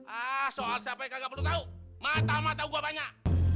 ah soal siapa yang gak perlu tau mata mata gue banyak